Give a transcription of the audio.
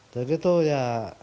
jadi itu ya